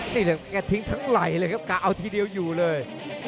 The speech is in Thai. นี่แหละแกทิ้งทั้งไหล่เลยครับกะเอาทีเดียวอยู่เลย